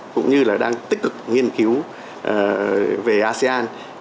cũng như là đang tích cực nghiên cứu về asean